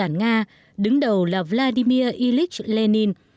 đảng cộng sản nga đứng đầu là vladimir ilyich lenin